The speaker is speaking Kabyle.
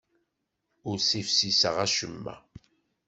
Ur ssifsiseɣ acemma.